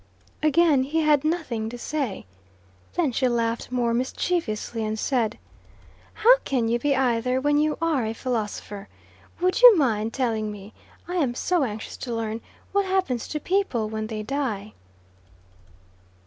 Again he had nothing to say. Then she laughed more mischievously, and said "How can you be either, when you are a philosopher? Would you mind telling me I am so anxious to learn what happens to people when they die?"